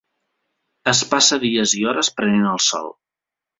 Es passa dies i hores prenent el sol.